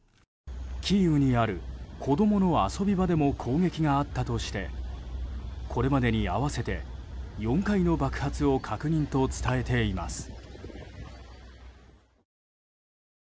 キーウにある子供の遊び場でも攻撃があったとしてこれまでに合わせて４回の爆発を確認と伝えています。